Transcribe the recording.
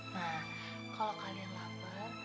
nah kalau kalian lapar